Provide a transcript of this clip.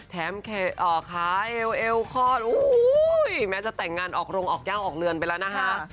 ขาเอวเอวคลอดแม้จะแต่งงานออกโรงออกย่างออกเรือนไปแล้วนะคะ